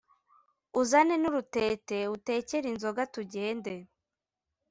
uzane n’urutete utekere inzoga tugende